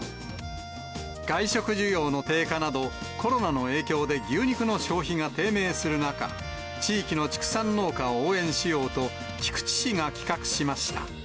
外食需要の低下など、コロナの影響で牛肉の消費が低迷する中、地域の畜産農家を応援しようと、菊池市が企画しました。